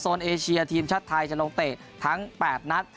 เอเชียทีมชาติไทยจะลงเตะทั้ง๘นัด